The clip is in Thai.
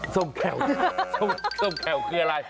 ส้มแควส้มแควคืออะไร